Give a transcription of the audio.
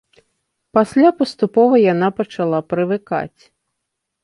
Пасля паступова яна пачала прывыкаць.